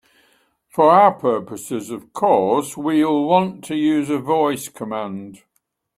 For our purposes, of course, we'll want to use a voice command.